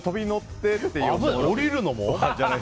降りるのも？